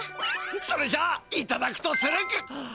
それじゃあいただくとするか。